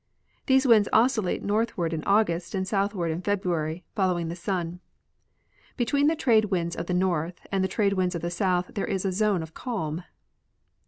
These winds oscillate northward in August and southward in February, following the sun. Between the trade winds of the north and the trade winds of the south there is a zone of calm.